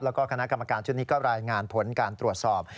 แล้วก็คณะกรรมการชุดนี้ก็รายงานผลการตรวจสอบ